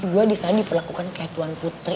gue disana diperlakukan kayak tuan putri